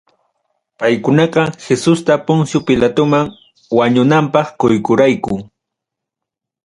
Paykunaqa Jesusta Poncio Pilatuman wañunanpaq quykuraku.